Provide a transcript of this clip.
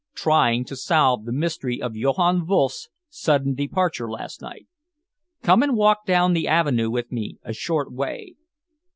"Trying to solve the mystery of Johann Wolff's sudden departure last night. Come and walk down the avenue with me a short way."